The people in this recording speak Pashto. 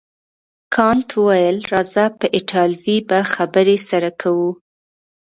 کانت وویل راځه په ایټالوي به خبرې سره کوو.